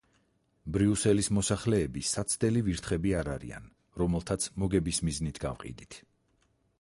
ბრიუსელის მოსახლეები საცდელი ვირთხები არ არიან, რომელთაც მოგების მიზნით გავყიდით.